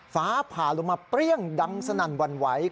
ฟ้าผ่าลงมาเปรี้ยงดังสนั่นหวั่นไหว